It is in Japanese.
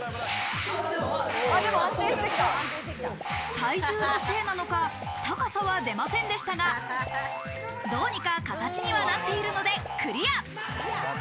体重のせいなのか、高さは出ませんでしたが、どうにか形にはなっているのでクリア。